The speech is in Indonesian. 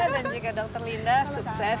dan juga dokter linda sukses